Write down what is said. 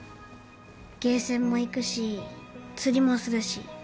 ゲーセンも行くし釣りもするし。